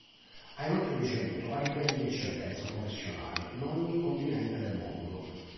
Ha inoltre ricevuto vari premi di eccellenza professionale in ogni continente del mondo.